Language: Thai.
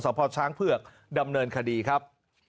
พ่อช้างเผือกดำเนินคดีครับ